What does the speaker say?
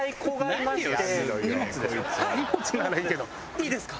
いいですか？